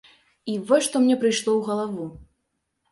І вось што мне прыйшло ў галаву.